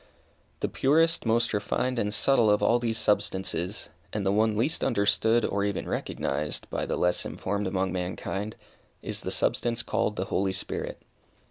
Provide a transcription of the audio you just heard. The purest, most refined and subtle of all these substances, and the one least understood, or even recognized, by the less informed among mankind, is that substance called the Holy Spirit.